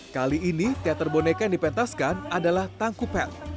kali ini teater boneka yang dipentaskan adalah tangku pet